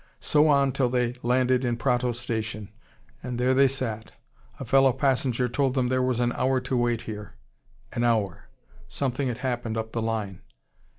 So on till they landed in Prato station: and there they sat. A fellow passenger told them, there was an hour to wait here: an hour. Something had happened up the line.